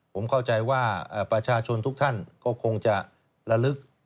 ผมเข้าใจว่าประชาชนทุกท่านก็คงจะระลึก